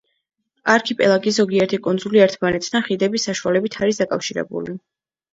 არქიპელაგის ზოგიერთი კუნძული ერთმანეთთან ხიდების საშუალებით არის დაკავშირებული.